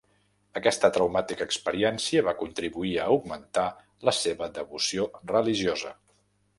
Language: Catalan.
Aquesta traumàtica experiència va contribuir a augmentar la seva devoció religiosa.